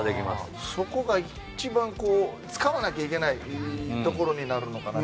そこが一番使わなきゃいけないところになるのかな。